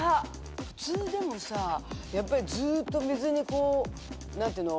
普通でもさやっぱりずっと水にこう何ていうの？